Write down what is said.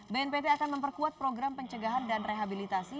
bnpt akan memperkuat program pencegahan dan rehabilitasi